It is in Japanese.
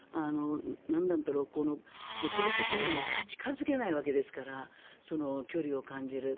何なんだろう、物理的にも近付けないわけですから。距離を感じる。